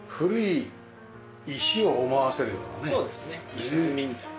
石積みみたいな。